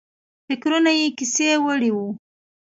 فکرونه یې کیسې وړي وو.